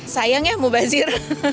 sayang ya gubazir